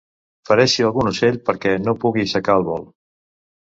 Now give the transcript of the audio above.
Fereixi algun ocell perquè no pugui aixecar el vol.